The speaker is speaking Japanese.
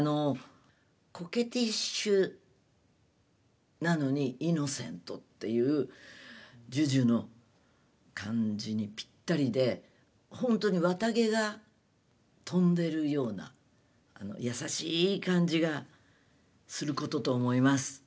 コケティッシュなのにイノセントっていうＪＵＪＵの感じにぴったりでほんとに綿毛が飛んでるような優しい感じがすることと思います。